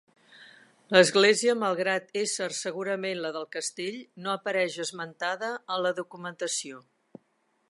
L'església malgrat ésser segurament la del castell, no apareix esmentada en la documentació.